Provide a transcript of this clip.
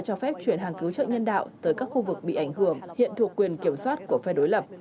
tổ chức y tế đã gửi hàng chục tấn hàng cứu trợ người dân đạo tới các khu vực bị ảnh hưởng hiện thuộc quyền kiểm soát của phe đối lập